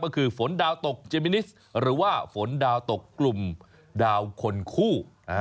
ก็คือฝนดาวตกเจมินิสหรือว่าฝนดาวตกกลุ่มดาวคนคู่